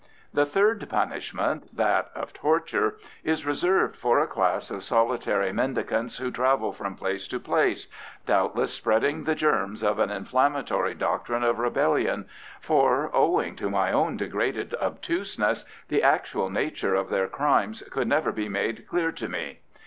The third punishment, that of torture, is reserved for a class of solitary mendicants who travel from place to place, doubtless spreading the germs of an inflammatory doctrine of rebellion, for, owing to my own degraded obtuseness, the actual nature of their crimes could never be made clear to me.